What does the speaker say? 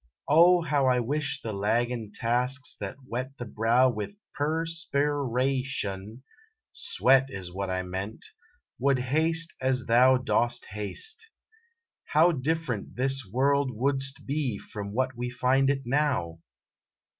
Oh, how 1 wish the laggin tasks that wet the brow With per spi ra tion (sweat is what I meant) 45 SONNETS OF A BUDDING BARD Would haste as thou dost haste. How different This world wouldst be from what we find it now!